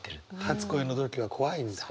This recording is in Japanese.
初恋の時は怖いんだ？